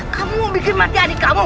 kamu yang bikin mati adik kamu